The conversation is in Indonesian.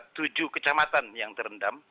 tujuh kecamatan yang terendam